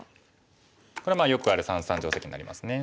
これよくある三々定石になりますね。